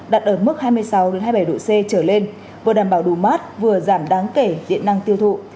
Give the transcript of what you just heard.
đạt ở mức hai mươi sáu hai mươi bảy độ c trở lên vừa đảm bảo đủ mát vừa giảm đáng kể diện năng tiêu thụ